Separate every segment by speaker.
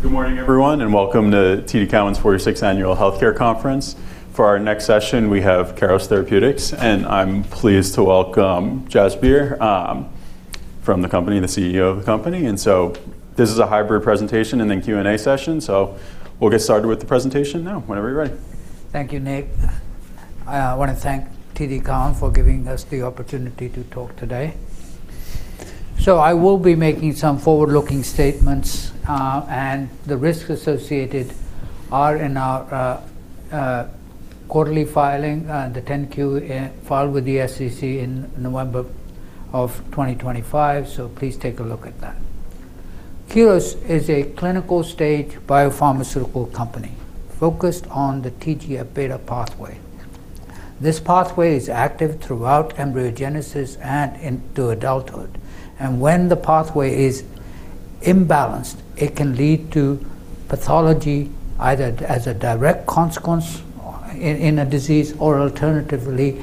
Speaker 1: Good morning, everyone, and welcome to TD Cowen's 46th Annual Healthcare Conference. For our next session, we have Keros Therapeutics, and I'm pleased to welcome Jasbir from the company, the CEO of the company. This is a hybrid presentation and then Q&A session. We'll get started with the presentation now. Whenever you're ready.
Speaker 2: Thank you, Nick. I wanna thank TD Cowen for giving us the opportunity to talk today. I will be making some forward-looking statements, and the risks associated are in our quarterly filing, the 10-Q filed with the SEC in November of 2025, so please take a look at that. Keros is a clinical-stage biopharmaceutical company focused on the TGF-beta pathway. This pathway is active throughout embryogenesis and into adulthood, and when the pathway is imbalanced, it can lead to pathology, either as a direct consequence in a disease or alternatively,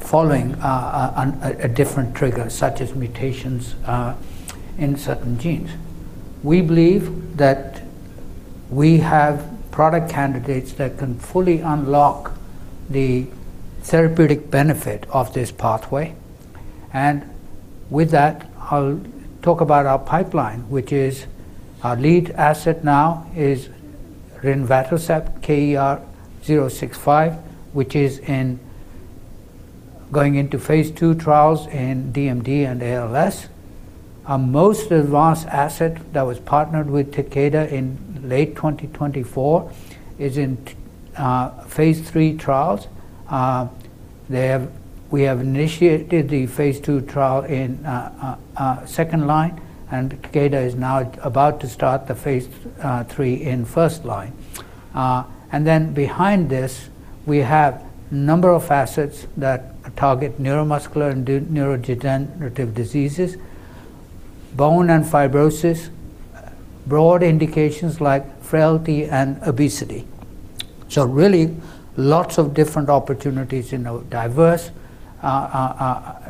Speaker 2: following a different trigger, such as mutations in certain genes. We believe that we have product candidates that can fully unlock the therapeutic benefit of this pathway. With that, I'll talk about our pipeline, which is our lead asset now is rinvatercept, KER-065, which is going into phase II trials in DMD and ALS. Our most advanced asset that was partnered with Takeda in late 2024 is in phase III trials. We have initiated the phase II trial in second line, and Takeda is now about to start the phase III in first line. Behind this, we have number of assets that target neuromuscular and neurodegenerative diseases, bone and fibrosis, broad indications like frailty and obesity. Let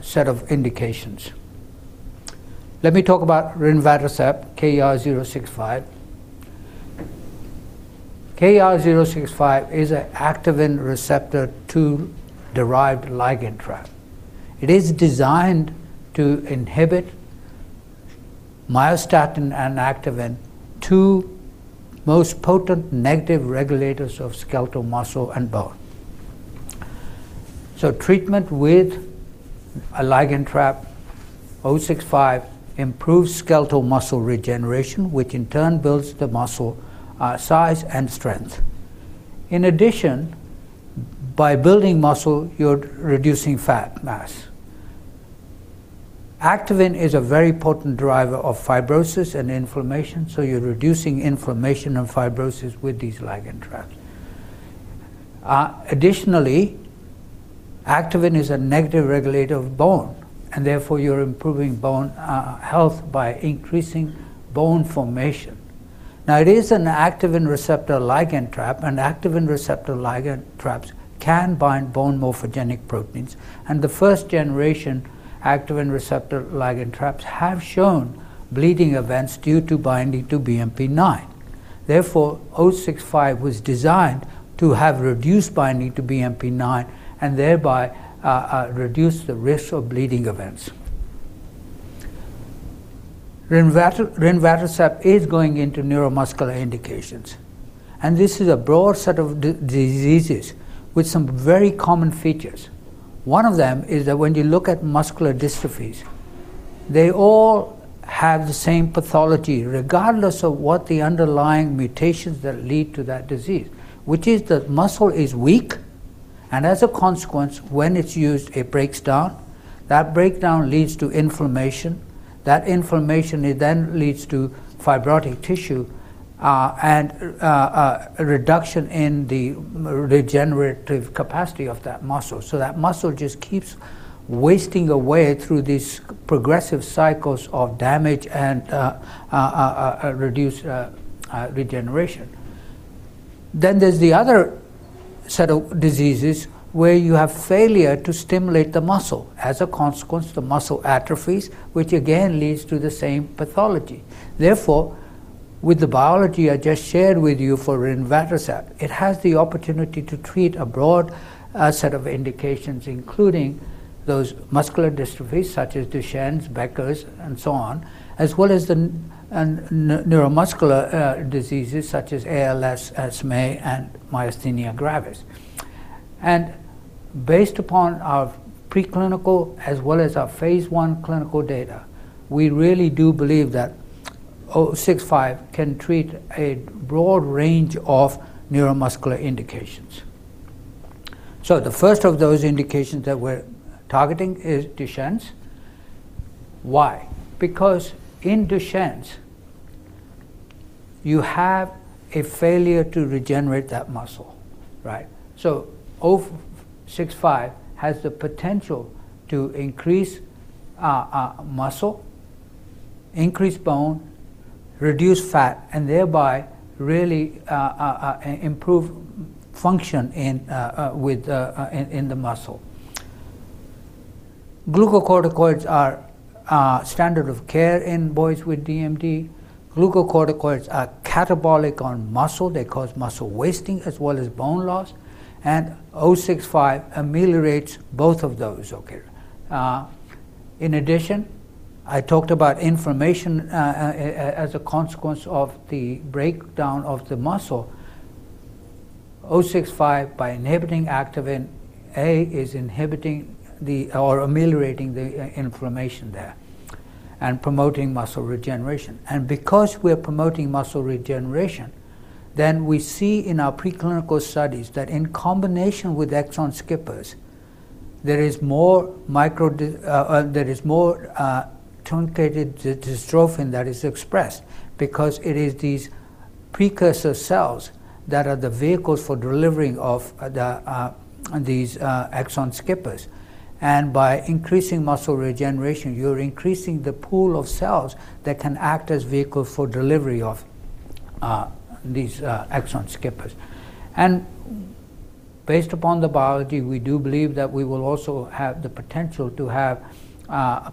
Speaker 2: me talk about rinvatercept, KER-065. KER-065 is a activin receptor II-derived ligand trap. It is designed to inhibit myostatin and activin, two most potent negative regulators of skeletal muscle and bone. Treatment with a ligand trap, KER-065, improves skeletal muscle regeneration, which in turn builds the muscle size and strength. In addition, by building muscle, you're reducing fat mass. Activin is a very potent driver of fibrosis and inflammation, you're reducing inflammation and fibrosis with these ligand traps. Additionally, activin is a negative regulator of bone, therefore you're improving bone health by increasing bone formation. Now, it is an activin receptor ligand trap, activin receptor ligand traps can bind bone morphogenetic proteins, the first generation activin receptor ligand traps have shown bleeding events due to binding to BMP9. Therefore, KER-065 was designed to have reduced binding to BMP9 thereby reduce the risk of bleeding events. Rinvatercept is going into neuromuscular indications, This is a broad set of diseases with some very common features. One of them is that when you look at muscular dystrophies, they all have the same pathology, regardless of what the underlying mutations that lead to that disease, which is that muscle is weak, and as a consequence, when it's used, it breaks down. That breakdown leads to inflammation. That inflammation, it then leads to fibrotic tissue, and a reduction in the regenerative capacity of that muscle. That muscle just keeps wasting away through these progressive cycles of damage and reduced regeneration. There's the other set of diseases where you have failure to stimulate the muscle. As a consequence, the muscle atrophies, which again leads to the same pathology. With the biology I just shared with you for rinvatercept, it has the opportunity to treat a broad set of indications, including those muscular dystrophies such as Duchenne, Becker, and so on, as well as the neuromuscular diseases such as ALS, SMA, and myasthenia gravis. Based upon our preclinical as well as our phase I clinical data, we really do believe that KER-065 can treat a broad range of neuromuscular indications. The first of those indications that we're targeting is Duchenne. Why? Because in Duchenne, you have a failure to regenerate that muscle, right? KER-065 has the potential to increase muscle, increase bone, reduce fat, and thereby really improve function in the muscle. Glucocorticoids are standard of care in boys with DMD. Glucocorticoids are catabolic on muscle. They cause muscle wasting as well as bone loss. KER-065 ameliorates both of those, okay. In addition, I talked about inflammation as a consequence of the breakdown of the muscle. KER-065, by inhibiting activin A, is inhibiting or ameliorating the inflammation there and promoting muscle regeneration. Because we're promoting muscle regeneration, we see in our preclinical studies that in combination with exon skippers, there is more truncated dystrophin that is expressed because it is these precursor cells that are the vehicles for delivering these exon skippers. By increasing muscle regeneration, you're increasing the pool of cells that can act as vehicle for delivery of these exon skippers. Based upon the biology, we do believe that we will also have the potential to have,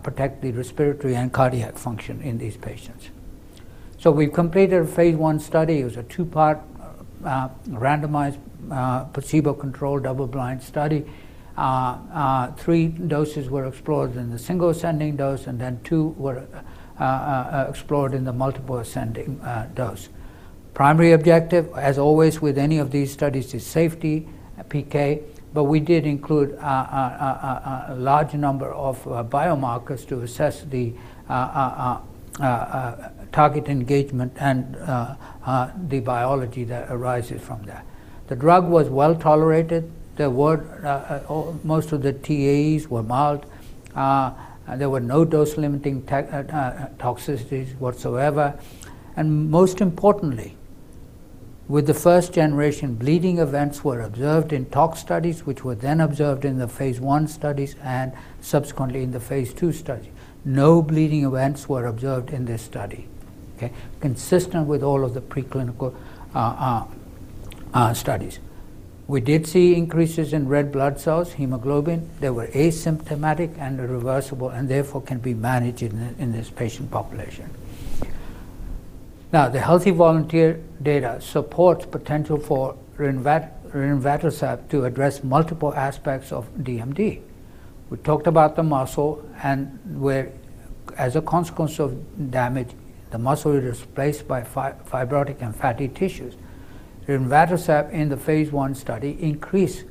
Speaker 2: protect the respiratory and cardiac function in these patients. We've completed a phase I study. It was a two-part, randomized, placebo-controlled, double-blind study. Three doses were explored in the single ascending dose, and then two were explored in the multiple ascending dose. Primary objective, as always with any of these studies, is safety, PK, but we did include a large number of biomarkers to assess the target engagement and the biology that arises from that. The drug was well-tolerated. There were most of the TAs were mild. There were no dose-limiting toxicities whatsoever. Most importantly, with the first generation, bleeding events were observed in tox studies, which were then observed in the phase I studies and subsequently in the phase II study. No bleeding events were observed in this study, okay, consistent with all of the preclinical studies. We did see increases in red blood cells, hemoglobin. They were asymptomatic and reversible and therefore can be managed in this patient population. The healthy volunteer data supports potential for rinvatercept to address multiple aspects of DMD. We talked about the muscle and where as a consequence of damage, the muscle is replaced by fibrotic and fatty tissues. Rinvatercept in the phase I study increased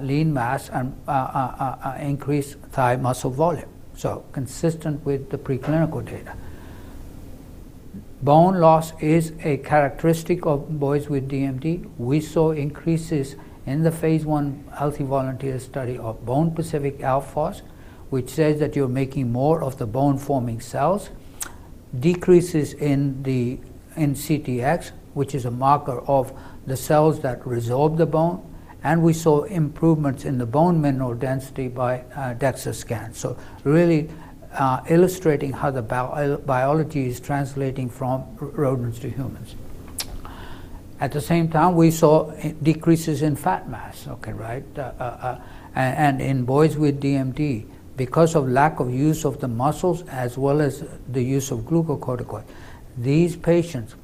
Speaker 2: lean mass and increased thigh muscle volume, consistent with the preclinical data. Bone loss is a characteristic of boys with DMD. We saw increases in the phase I healthy volunteer study of bone-specific alkaline phosphatase, which says that you're making more of the bone-forming cells, decreases in the NTX, which is a marker of the cells that resolve the bone, and we saw improvements in the bone mineral density by DEXA scan. Really, illustrating how the biology is translating from rodents to humans. At the same time, we saw decreases in fat mass, okay, right? And in boys with DMD, because of lack of use of the muscles as well as the use of glucocorticoid, these patients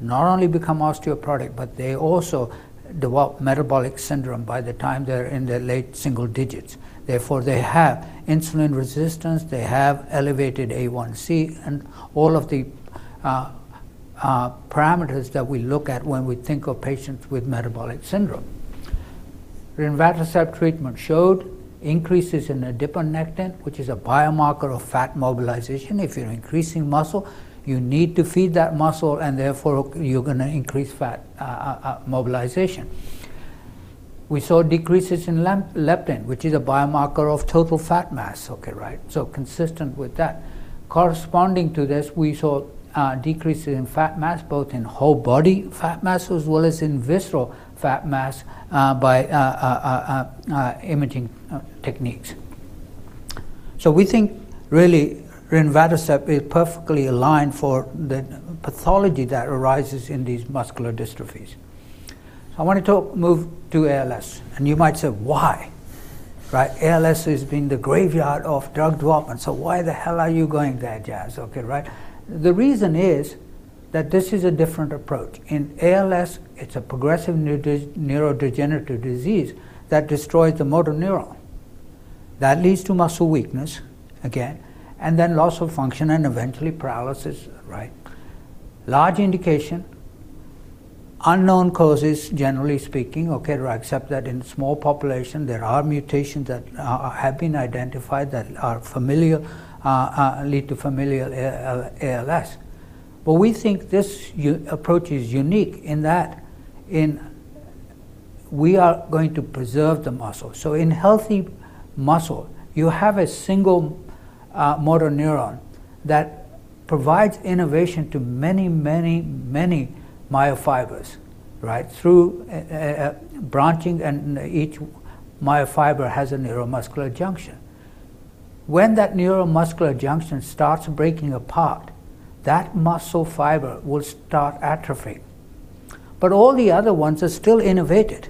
Speaker 2: not only become osteoporotic, but they also develop metabolic syndrome by the time they're in their late single digits. Therefore, they have insulin resistance, they have elevated A1C, and all of the parameters that we look at when we think of patients with metabolic syndrome. Rinvatercept treatment showed increases in adiponectin, which is a biomarker of fat mobilization. If you're increasing muscle, you need to feed that muscle, and therefore you're gonna increase fat mobilization. We saw decreases in leptin, which is a biomarker of total fat mass, okay, right? Consistent with that. Corresponding to this, we saw decreases in fat mass, both in whole body fat mass as well as in visceral fat mass, by imaging techniques. We think really rinvatercept is perfectly aligned for the pathology that arises in these muscular dystrophies. I want to move to ALS, and you might say why, right? ALS has been the graveyard of drug development, so why the hell are you going there, Jasbir? Okay, right. The reason is that this is a different approach. In ALS, it's a progressive neurodegenerative disease that destroys the motor neuron. That leads to muscle weakness again, and then loss of function and eventually paralysis, right? Large indication, unknown causes, generally speaking, okay, right, except that in small population there are mutations that have been identified that are familiar lead to familial ALS. We think this approach is unique in that in we are going to preserve the muscle. In healthy muscle, you have a single motor neuron that provides innervation to many, many, many myofibers, right, through branching, and each myofiber has a neuromuscular junction. When that neuromuscular junction starts breaking apart, that muscle fiber will start atrophying. But all the other ones are still innervated,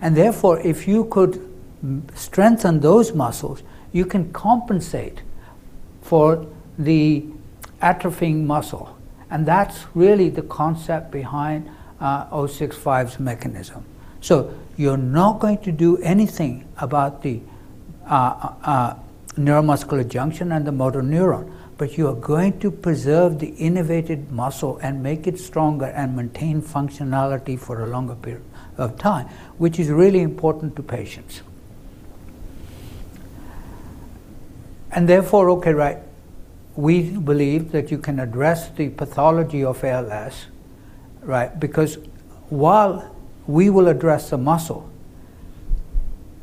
Speaker 2: and therefore, if you could strengthen those muscles, you can compensate for the atrophying muscle. That's really the concept behind KER-065's mechanism. You're not going to do anything about the neuromuscular junction and the motor neuron, but you are going to preserve the innervated muscle and make it stronger and maintain functionality for a longer period of time, which is really important to patients. Therefore, okay, right, we believe that you can address the pathology of ALS, right, because while we will address the muscle,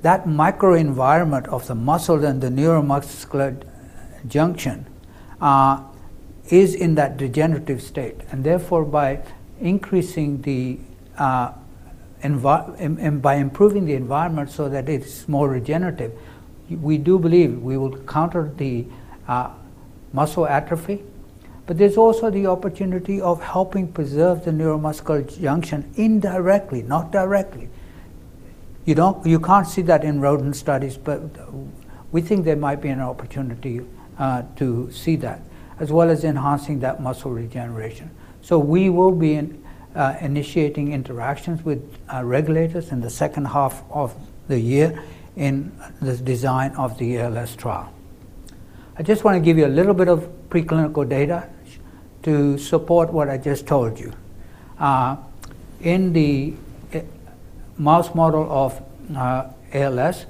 Speaker 2: that microenvironment of the muscle and the neuromuscular junction, is in that degenerative state. Therefore, by increasing the and by improving the environment so that it's more regenerative, we do believe we will counter the muscle atrophy. There's also the opportunity of helping preserve the neuromuscular junction indirectly, not directly. You can't see that in rodent studies, but we think there might be an opportunity to see that, as well as enhancing that muscle regeneration. We will be initiating interactions with regulators in the second half of the year in this design of the ALS trial. I just want to give you a little bit of preclinical data to support what I just told you. In the mouse model of ALS,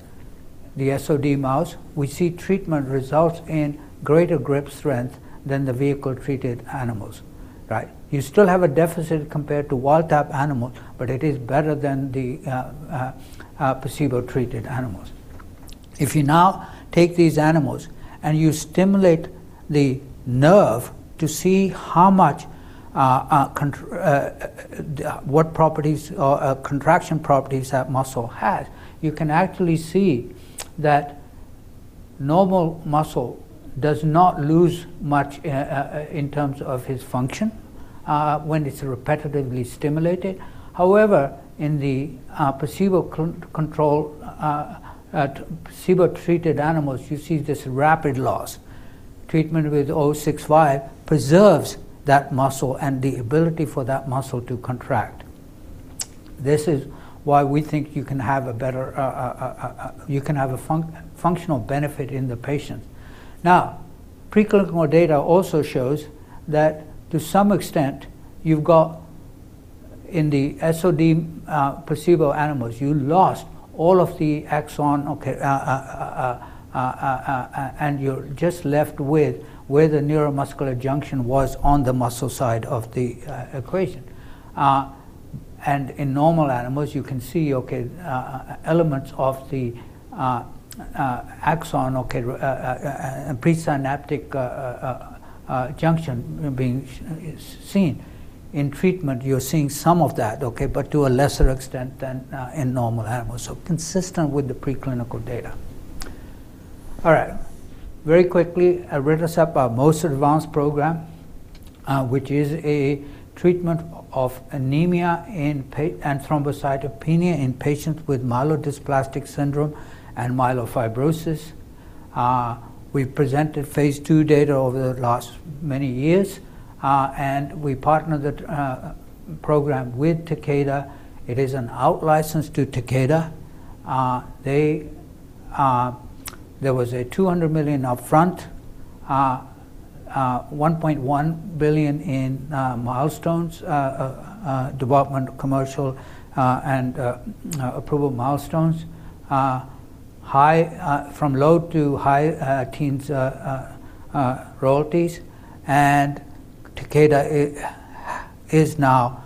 Speaker 2: the SOD mouse, we see treatment results in greater grip strength than the vehicle-treated animals, right? You still have a deficit compared to wild-type animal, but it is better than the placebo-treated animals. If you now take these animals and you stimulate the nerve to see how much, what properties or contraction properties that muscle has, you can actually see that normal muscle does not lose much in terms of its function when it's repetitively stimulated. In the placebo-control, placebo-treated animals, you see this rapid loss. Treatment with KER-065 preserves that muscle and the ability for that muscle to contract. This is why we think you can have a better, you can have a functional benefit in the patient. Now, preclinical data also shows that to some extent you've got in the SOD placebo animals, you lost all of the axon, okay, and you're just left with where the neuromuscular junction was on the muscle side of the equation. And in normal animals, you can see, okay, elements of the axon, okay, pre-synaptic junction being seen. In treatment, you're seeing some of that, okay, but to a lesser extent than in normal animals. Consistent with the preclinical data. All right. Very quickly, elritercept, our most advanced program, which is a treatment of anemia and thrombocytopenia in patients with myelodysplastic syndrome and myelofibrosis. We've presented phase II data over the last many years, and we partnered the program with Takeda. It is an out-license to Takeda. They there was a $200 million upfront, $1.1 billion in milestones, development, commercial, and approval milestones. From low to high teens royalties. Takeda is now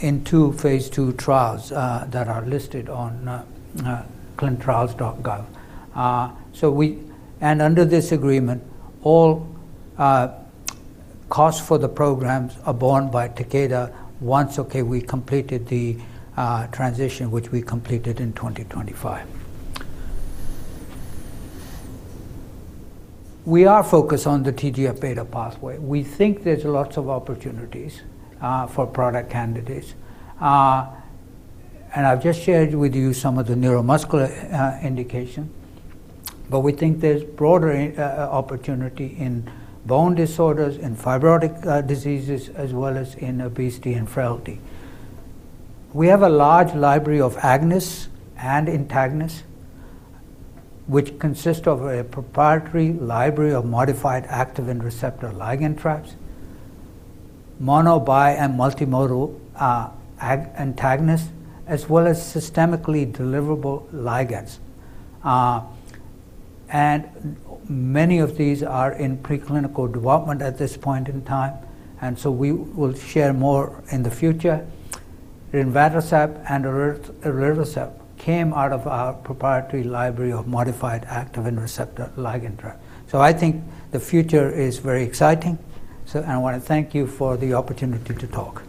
Speaker 2: in two phase II trials that are listed on ClinicalTrials.gov. Under this agreement, all costs for the programs are borne by Takeda once, okay, we completed the transition, which we completed in 2025. We are focused on the TGF-beta pathway. We think there's lots of opportunities for product candidates. I've just shared with you some of the neuromuscular indication, but we think there's broader opportunity in bone disorders, in fibrotic diseases, as well as in obesity and frailty. We have a large library of agonists and antagonists, which consist of a proprietary library of modified activin receptor ligand traps, mono, bi, and multimodal antagonists, as well as systemically deliverable ligands. Many of these are in preclinical development at this point in time, we will share more in the future. Rinvatercept and elritercept came out of our proprietary library of modified activin receptor ligand trap. I think the future is very exciting. I want to thank you for the opportunity to talk.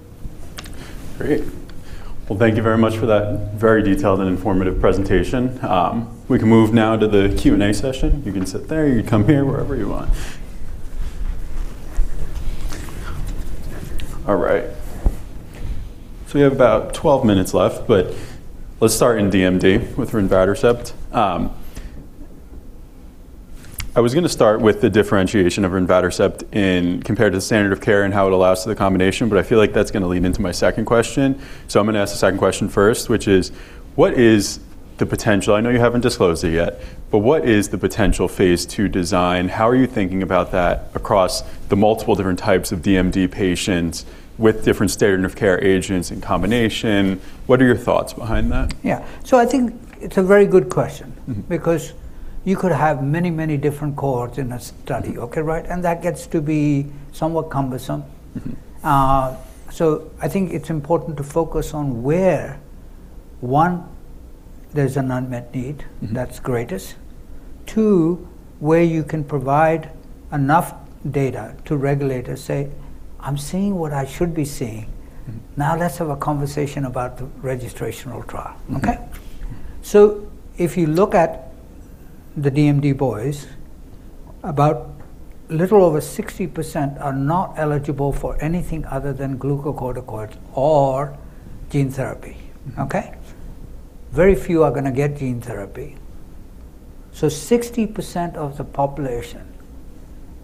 Speaker 1: Great. Thank you very much for that very detailed and informative presentation. We can move now to the Q&A session. You can sit there, you can come here, wherever you want. All right. We have about 12 minutes left, but let's start in DMD with rinvatercept. I was gonna start with the differentiation of rinvatercept compared to the standard of care and how it allows to the combination, but I feel like that's gonna lead into my second question. I'm gonna ask the second question first, which is, what is the potential I know you haven't disclosed it yet, but what is the potential phase II design? How are you thinking about that across the multiple different types of DMD patients with different standard of care agents in combination? What are your thoughts behind that?
Speaker 2: Yeah. I think it's a very good question.
Speaker 1: Mm-hmm
Speaker 2: Because you could have many, many different cohorts in a study. Okay, right? That gets to be somewhat cumbersome.
Speaker 1: Mm-hmm.
Speaker 2: I think it's important to focus on where, one, there's an unmet need.
Speaker 1: Mm-hmm
Speaker 2: That's greatest. Two, where you can provide enough data to regulators say, "I'm seeing what I should be seeing.
Speaker 1: Mm-hmm.
Speaker 2: Now let's have a conversation about the registrational trial.
Speaker 1: Mm-hmm.
Speaker 2: Okay. If you look at the DMD boys, about little over 60% are not eligible for anything other than glucocorticoids or gene therapy.
Speaker 1: Mm-hmm.
Speaker 2: Okay? Very few are gonna get gene therapy. 60% of the population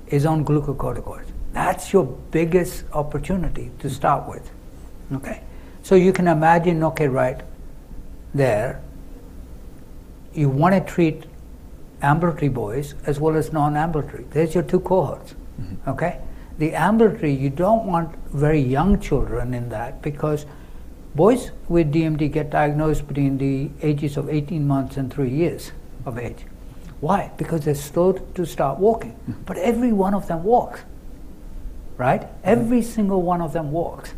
Speaker 2: is on glucocorticoids. That's your biggest opportunity to start with.
Speaker 1: Mm-hmm.
Speaker 2: Okay? You can imagine, okay, right, there, you wanna treat ambulatory boys as well as non-ambulatory. There's your two cohorts.
Speaker 1: Mm-hmm.
Speaker 2: Okay? The ambulatory, you don't want very young children in that because boys with DMD get diagnosed between the ages of 18 months and three years of age. Why? Because they're slow to start walking.
Speaker 1: Mm-hmm.
Speaker 2: Every one of them walks, right?
Speaker 1: Mm-hmm.
Speaker 2: Every single one of them walks.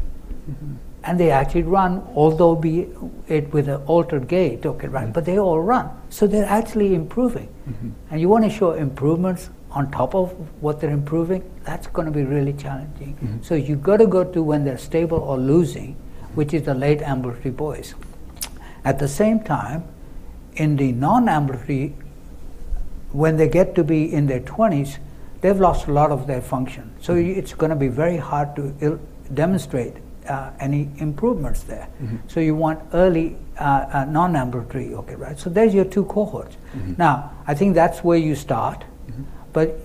Speaker 1: Mm-hmm.
Speaker 2: They actually run, although be it with a altered gait. Okay, right? They all run. They're actually improving.
Speaker 1: Mm-hmm.
Speaker 2: You wanna show improvements on top of what they're improving. That's gonna be really challenging.
Speaker 1: Mm-hmm.
Speaker 2: You gotta go to when they're stable or losing, which is the late ambulatory boys. At the same time, in the non-ambulatory, when they get to be in their 20s, they've lost a lot of their function.
Speaker 1: Mm-hmm.
Speaker 2: it's gonna be very hard to demonstrate any improvements there.
Speaker 1: Mm-hmm.
Speaker 2: You want early, non-ambulatory. Okay, right? There's your two cohorts.
Speaker 1: Mm-hmm.
Speaker 2: I think that's where you start.
Speaker 1: Mm-hmm
Speaker 2: But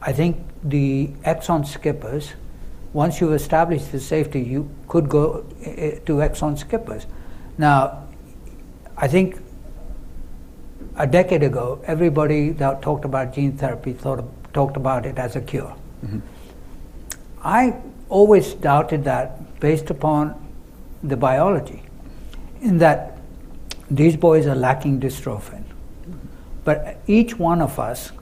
Speaker 2: I think the exon skipping, once you establish the safety, you could go to exon skipping. I think a decade ago, everybody that talked about gene therapy talked about it as a cure.
Speaker 1: Mm-hmm.
Speaker 2: I always doubted that based upon the biology, in that these boys are lacking dystrophin.
Speaker 1: Mm-hmm.
Speaker 2: Each one of us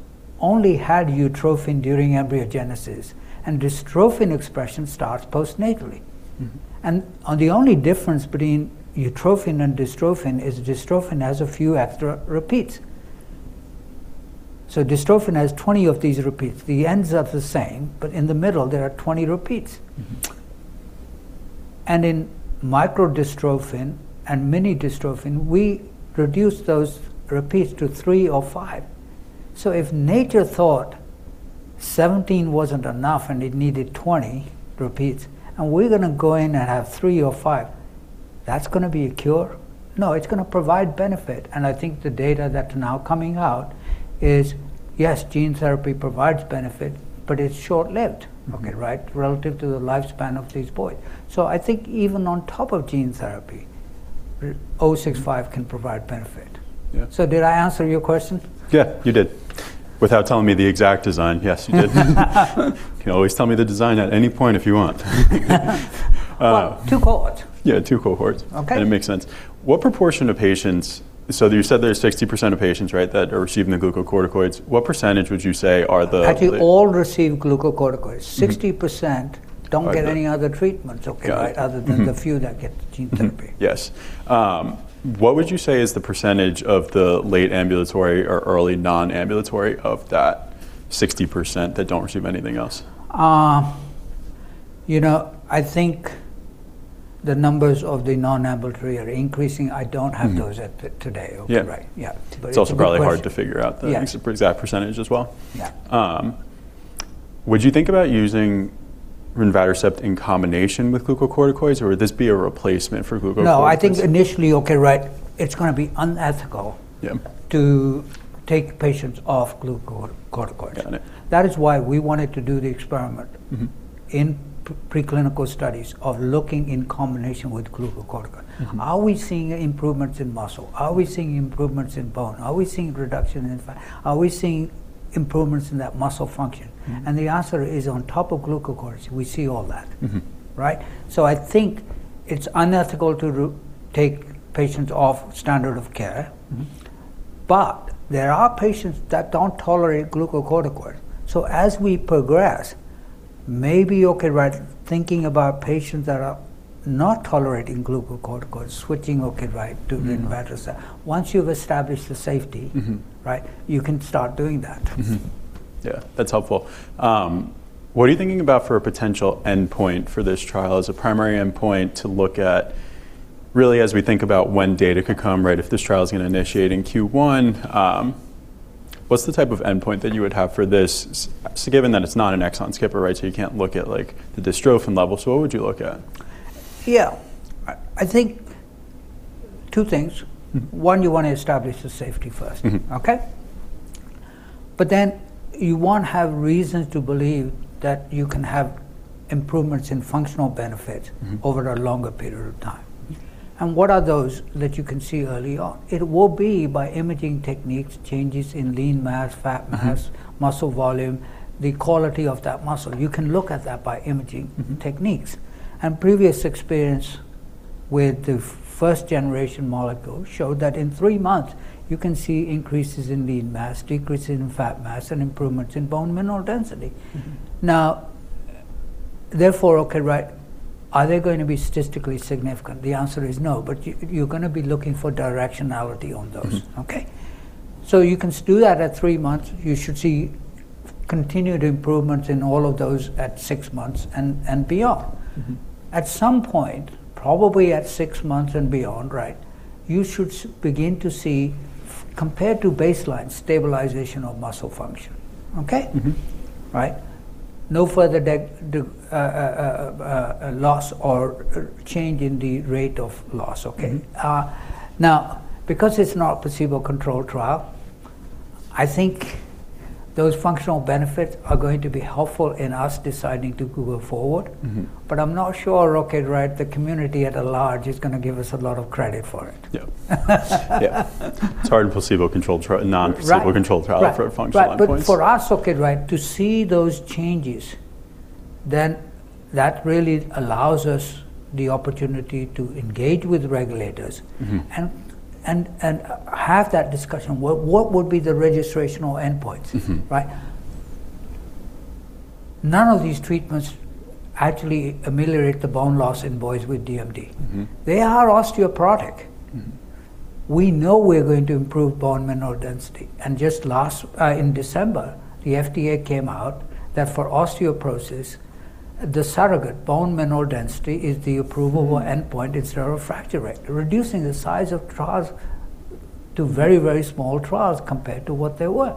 Speaker 2: only had utrophin during embryogenesis, and dystrophin expression starts postnatally.
Speaker 1: Mm-hmm.
Speaker 2: The only difference between utrophin and dystrophin is dystrophin has a few extra repeats. dystrophin has 20 of these repeats. The ends are the same, but in the middle, there are 20 repeats.
Speaker 1: Mm-hmm.
Speaker 2: and mini-dystrophin, we reduce those repeats to 3 or 5. If nature thought 17 wasn't enough and it needed 20 repeats, and we're gonna go in and have 3 or 5, that's gonna be a cure? No, it's gonna provide benefit. I think the data that are now coming out is, yes, gene therapy provides benefit, but it's short-lived.
Speaker 1: Mm-hmm.
Speaker 2: Okay, right? Relative to the lifespan of these boys. I think even on top of gene therapy, KER-065 can provide benefit.
Speaker 1: Yeah.
Speaker 2: Did I answer your question?
Speaker 1: Yeah, you did. Without telling me the exact design, yes, you did. You can always tell me the design at any point if you want.
Speaker 2: Two cohorts.
Speaker 1: Yeah, 2 cohorts.
Speaker 2: Okay.
Speaker 1: It makes sense. What proportion of patients? You said there's 60% of patients, right, that are receiving the glucocorticoids. What percentage would you say are?
Speaker 2: Actually, all receive glucocorticoids.
Speaker 1: Mm-hmm.
Speaker 2: 60% don't get any other treatments, okay, right?
Speaker 1: Got it. Mm-hmm.
Speaker 2: Other than the few that get gene therapy.
Speaker 1: Yes. What would you say is the % of the late ambulatory or early non-ambulatory of that 60% that don't receive anything else?
Speaker 2: you know, I think the numbers of the non-ambulatory are increasing. I don't have those at today.
Speaker 1: Yeah.
Speaker 2: Okay, right. Yeah. It's a good question.
Speaker 1: It's also probably hard to figure out.
Speaker 2: Yeah
Speaker 1: Exact % as well.
Speaker 2: Yeah.
Speaker 1: Would you think about using rinvatercept in combination with glucocorticoids, or would this be a replacement for glucocorticoids?
Speaker 2: I think initially, okay, right, it's gonna be unethical.
Speaker 1: Yeah
Speaker 2: to take patients off glucocorticoids.
Speaker 1: Got it.
Speaker 2: That is why we wanted to do the experiment.
Speaker 1: Mm-hmm
Speaker 2: in preclinical studies of looking in combination with glucocorticoid.
Speaker 1: Mm-hmm.
Speaker 2: Are we seeing improvements in muscle? Are we seeing improvements in bone? Are we seeing reduction in fat? Are we seeing improvements in that muscle function?
Speaker 1: Mm-hmm.
Speaker 2: The answer is, on top of glucocorticoids, we see all that.
Speaker 1: Mm-hmm.
Speaker 2: Right? I think it's unethical to take patients off standard of care.
Speaker 1: Mm-hmm.
Speaker 2: There are patients that don't tolerate glucocorticoids. As we progress, maybe, okay, right, thinking about patients that are not tolerating glucocorticoids, switching, okay, right, to rinvatercept. Once you've established the.
Speaker 1: Mm-hmm
Speaker 2: right, you can start doing that.
Speaker 1: Yeah, that's helpful. What are you thinking about for a potential endpoint for this trial as a primary endpoint to look at really as we think about when data could come, right? If this trial is gonna initiate in Q1, what's the type of endpoint that you would have for this so given that it's not an exon skipper, right, so you can't look at like the dystrophin levels. What would you look at?
Speaker 2: Yeah. I think two things.
Speaker 1: Mm-hmm.
Speaker 2: One, you wanna establish the safety first.
Speaker 1: Mm-hmm.
Speaker 2: Okay? You want to have reasons to believe that you can have improvements in functional benefits.
Speaker 1: Mm-hmm
Speaker 2: over a longer period of time.
Speaker 1: Mm-hmm.
Speaker 2: What are those that you can see early on? It will be by imaging techniques, changes in lean mass, fat mass.
Speaker 1: Mm-hmm
Speaker 2: Muscle volume, the quality of that muscle. You can look at that by imaging.
Speaker 1: Mm-hmm
Speaker 2: Techniques. Previous experience with the first generation molecule show that in three months you can see increases in lean mass, decreases in fat mass, and improvements in bone mineral density.
Speaker 1: Mm-hmm.
Speaker 2: Therefore, okay, right, are they going to be statistically significant? The answer is no, but you're gonna be looking for directionality on those.
Speaker 1: Mm-hmm.
Speaker 2: Okay. You can do that at three months. You should see continued improvement in all of those at six months and beyond.
Speaker 1: Mm-hmm.
Speaker 2: At some point, probably at six months and beyond, right, you should begin to see, compared to baseline, stabilization of muscle function, okay?
Speaker 1: Mm-hmm.
Speaker 2: Right? No further a loss or a change in the rate of loss, okay?
Speaker 1: Mm-hmm.
Speaker 2: Now because it's not a placebo-controlled trial, I think those functional benefits are going to be helpful in us deciding to go forward.
Speaker 1: Mm-hmm.
Speaker 2: I'm not sure, okay, right, the community at large is gonna give us a lot of credit for it.
Speaker 1: Yeah. Yeah. It's hard in placebo-controlled trial
Speaker 2: Right
Speaker 1: Non-placebo controlled trial for functional endpoints.
Speaker 2: But for us, okay, right, to see those changes, then that really allows us the opportunity to engage with regulators.
Speaker 1: Mm-hmm
Speaker 2: And have that discussion. What would be the registrational endpoints?
Speaker 1: Mm-hmm.
Speaker 2: Right? None of these treatments actually ameliorate the bone loss in boys with DMD.
Speaker 1: Mm-hmm.
Speaker 2: They are osteoporotic.
Speaker 1: Mm-hmm.
Speaker 2: We know we're going to improve bone mineral density, and just last in December, the FDA came out that for osteoporosis, the surrogate bone mineral density is the approvable endpoint instead of fracture rate, reducing the size of trials to very, very small trials compared to what they were.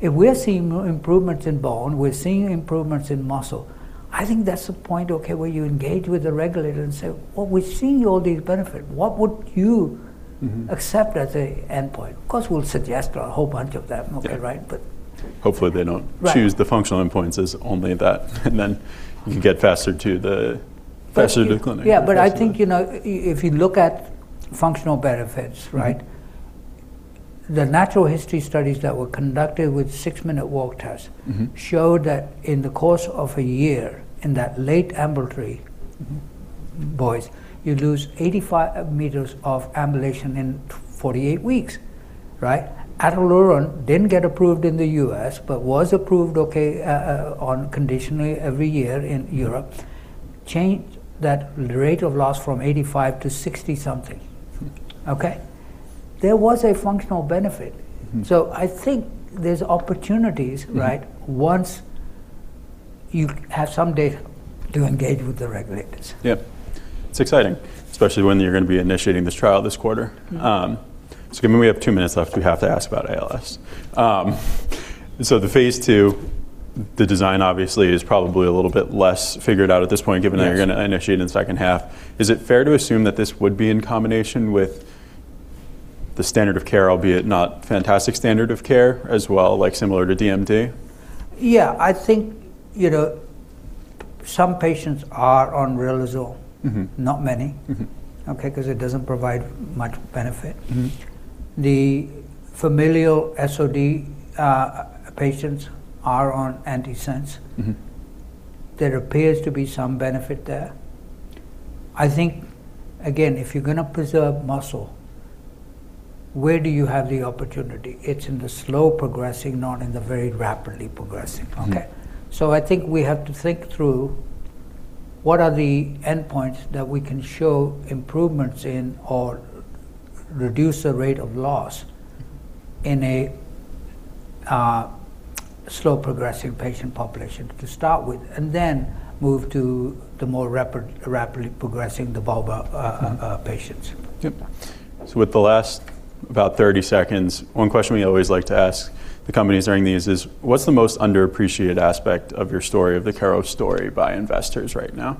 Speaker 2: If we're seeing improvements in bone, we're seeing improvements in muscle, I think that's a point, okay, where you engage with the regulator and say, "Well, we're seeing all these benefit. What would you-
Speaker 1: Mm-hmm
Speaker 2: Accept as a endpoint? Of course, we'll suggest a whole bunch of them.
Speaker 1: Yeah.
Speaker 2: Okay, right?
Speaker 1: Hopefully they don't.
Speaker 2: Right
Speaker 1: Choose the functional endpoints as only that, and then you get faster to the clinic.
Speaker 2: Yeah, I think, you know, if you look at functional benefits, right?
Speaker 1: Mm-hmm.
Speaker 2: The natural history studies that were conducted with 6-minute walk tests.
Speaker 1: Mm-hmm
Speaker 2: Show that in the course of a year, in that late ambulatory.
Speaker 1: Mm-hmm
Speaker 2: Boys, you lose 85 meters of ambulation in 48 weeks, right? Ataluren didn't get approved in the US, but was approved, okay, on conditionally every year in Europe, changed that rate of loss from 85 to 60 something.
Speaker 1: Mm-hmm.
Speaker 2: Okay? There was a functional benefit.
Speaker 1: Mm-hmm.
Speaker 2: I think there's opportunities.
Speaker 1: Mm-hmm
Speaker 2: right, once you have some data to engage with the regulators.
Speaker 1: Yeah. It's exciting, especially when you're gonna be initiating this trial this quarter. Given we have 2 minutes left, we have to ask about ALS. The phase II, the design obviously is probably a little bit less figured out at this point given that.
Speaker 2: Yes
Speaker 1: You're gonna initiate in the second half. Is it fair to assume that this would be in combination with the standard of care, albeit not fantastic standard of care as well, like similar to DMD?
Speaker 2: Yeah, I think, you know, some patients are on riluzole.
Speaker 1: Mm-hmm.
Speaker 2: Not many.
Speaker 1: Mm-hmm.
Speaker 2: Okay? 'Cause it doesn't provide much benefit.
Speaker 1: Mm-hmm.
Speaker 2: The familial SOD patients are on antisense.
Speaker 1: Mm-hmm.
Speaker 2: There appears to be some benefit there. I think, again, if you're gonna preserve muscle, where do you have the opportunity? It's in the slow progressing, not in the very rapidly progressing. Okay.
Speaker 1: Yeah.
Speaker 2: I think we have to think through what are the endpoints that we can show improvements in or reduce the rate of loss in a slow progressing patient population to start with, and then move to the more rapidly progressing, the bulbar patients.
Speaker 1: Yep. With the last about 30 seconds, one question we always like to ask the companies during these is what's the most underappreciated aspect of your story, of the Keros story, by investors right now?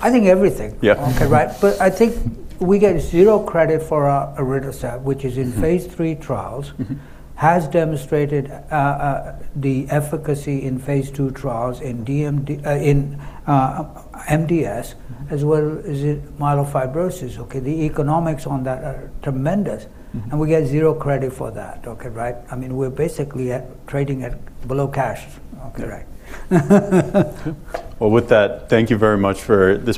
Speaker 2: I think everything.
Speaker 1: Yeah.
Speaker 2: Okay, right? I think we get zero credit for, elritercept.
Speaker 1: Mm-hmm
Speaker 2: Phase III trials.
Speaker 1: Mm-hmm.
Speaker 2: Has demonstrated the efficacy in phase II trials in DMD, in MDS, as well as in myelofibrosis, okay? The economics on that are tremendous.
Speaker 1: Mm-hmm.
Speaker 2: We get zero credit for that, okay, right? I mean, we're basically at, trading at below cash. Okay, right.
Speaker 1: Well, with that, thank you very much for this.